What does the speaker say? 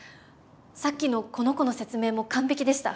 さっきのこの子の説明も完璧でした。